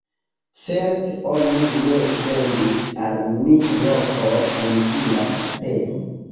Certe oni ne vendis al mi lokon en vira kupeo.